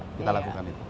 kita lakukan itu